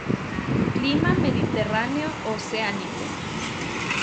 Clima mediterráneo oceánico.